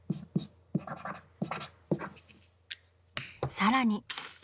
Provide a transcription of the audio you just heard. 更に。